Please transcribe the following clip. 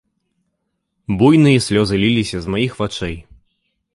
Буйныя слёзы ліліся з маіх вачэй.